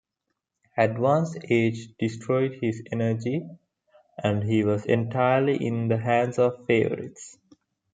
Advanced age destroyed his energy, and he was entirely in the hands of favourites.